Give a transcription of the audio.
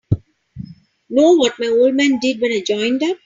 Know what my old man did when I joined up?